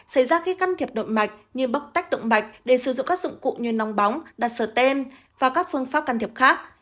xảy ra khi can thiệp nội mạch như bóc tách động mạch để sử dụng các dụng cụ như nong bóng đặt sờ tên và các phương pháp can thiệp khác